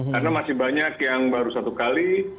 karena masih banyak yang baru satu kali